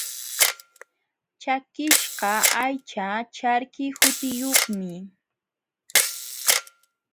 Chakiśhqa aycha charki hutiyuqmi.